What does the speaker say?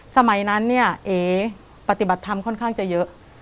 สมัยนั้นเนี่ยเอ๋ปฏิบัติธรรมค่อนข้างจะเยอะ